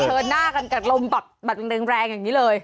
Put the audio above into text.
เผชิญหน้ากับรมแบบแรงอย่างนี้เลย